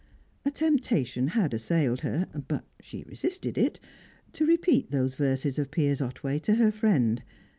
A temptation had assailed her (but she resisted it) to repeat those verses of Piers Otway to her friend.